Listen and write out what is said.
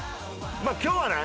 今日はね。